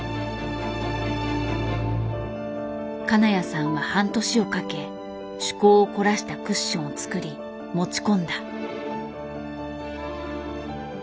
金谷さんは半年をかけ趣向を凝らしたクッションを作り持ち込んだ。